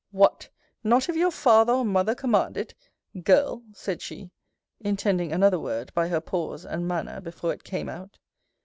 What! not if your father or mother command it Girl? said she, intending another word, by her pause and manner before it came out.